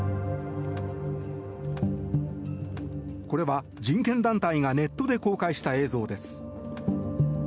これは、人権団体がネットで公開した映像です。